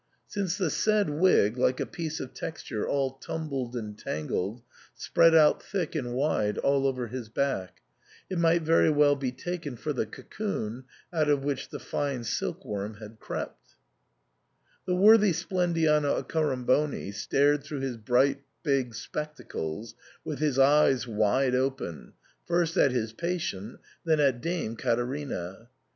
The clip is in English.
Since the said wig, like a piece of texture all tumbled and tangled, spread out thick and wide all over his back, it might very well be taken for the cocoon out of which the fine silkworm had crept The worthy Splendiano Accoramboni stared through his big, bright spectacles, with his eyes wide open, first at his patient, then at Dame Caterina.